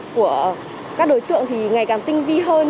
của các đối tượng thì ngày càng tinh vi hơn